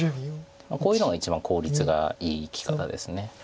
こういうのが一番効率がいい生き方です。